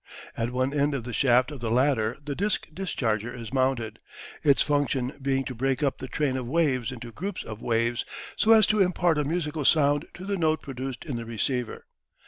At one end of the shaft of the latter the disk discharger is mounted, its function being to break up the train of waves into groups of waves, so as to impart a musical sound to the note produced in the receiver.